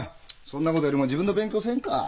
そんなことよりも自分の勉強せんか。